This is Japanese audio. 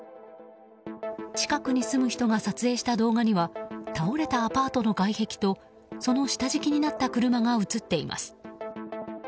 近くに住む人が撮影した動画には倒れたアパートの外壁とその下敷きになった車が映っています。